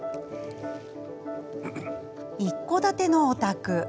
一戸建てのお宅。